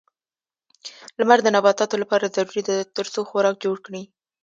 لمر د نباتاتو لپاره ضروري ده ترڅو خوراک جوړ کړي.